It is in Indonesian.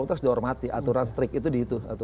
harus dihormati aturan strik itu diitu